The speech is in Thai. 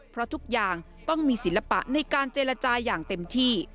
เพราะทุกอย่างต้องมีศิลปะในการเจรจาอย่างเต็มที่